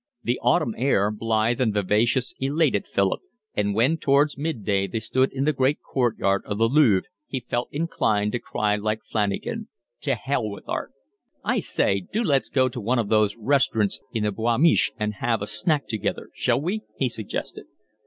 The autumn air, blithe and vivacious, elated Philip; and when towards mid day they stood in the great court yard of the Louvre, he felt inclined to cry like Flanagan: To hell with art. "I say, do let's go to one of those restaurants in the Boul' Mich' and have a snack together, shall we?" he suggested.